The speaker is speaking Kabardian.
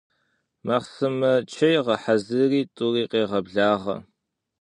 Махъсымэ чей гъэхьэзыри, тӏури къегъэблагъэ.